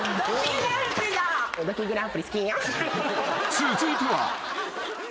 ［続いては］